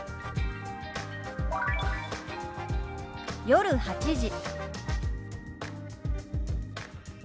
「夜８時」。